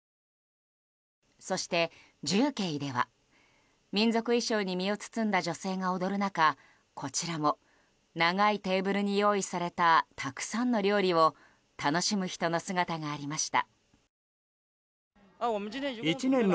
そして、重慶では民族衣装に身を包んだ女性が踊る中、こちらも長いテーブルに用意されたたくさんの料理を楽しむ人の姿がありました。